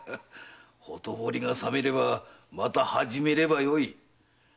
ほとぼりがさめればまた始めればよい。